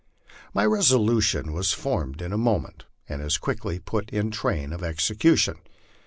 My resolution was formed in a moment, and as quickly put in train of execution.